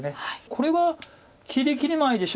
これはきりきり舞いでしょう。